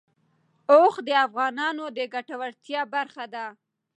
اوښ د افغانانو د ګټورتیا برخه ده.